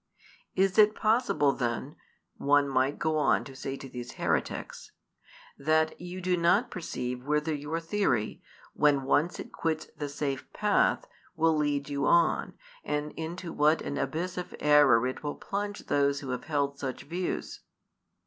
"Is it possible then," one might go on to say to these heretics, "that you do not perceive whither your theory, when once it quits the safe path, will lead you on, and into what an abyss of error it will plunge those who have held such views?"